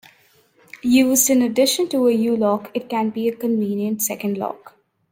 Used in addition to a U-lock it can be a convenient second lock.